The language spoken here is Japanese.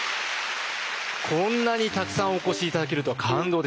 こんなにたくさんお越し頂けるとは感動です。